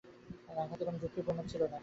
তাঁর হাতে কোনো যুক্তি-প্রমাণ নেই।